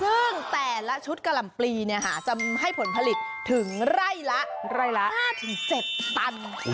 ซึ่งแต่ละชุดการัมปรีเนี่ยค่ะจะให้ผลผลิตถึงไร่ละ๕๗ตัน